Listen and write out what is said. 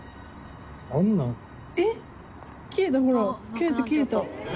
消えた消えた。